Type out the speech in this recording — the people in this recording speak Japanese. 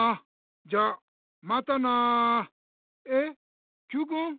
じゃまたな！えっＱくん？